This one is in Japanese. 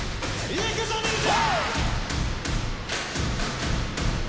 いくぞ忍者！